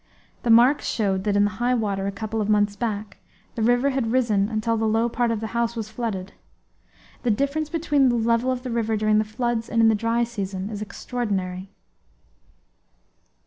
The marks showed that in the high water, a couple of months back, the river had risen until the lower part of the house was flooded. The difference between the level of the river during the floods and in the dry season is extraordinary.